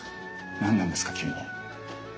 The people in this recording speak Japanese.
何なんですか急に。